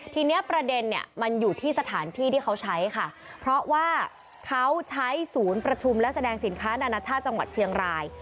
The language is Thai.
ทีนี้ประเด็นเนี่ยมันอยู่ที่สถานที่ที่เขาใช้ค่ะเพราะว่าเขาใช้ศูนย์ประชุมและแสดงสินค้านานาชาติจังหวัดเชียงราย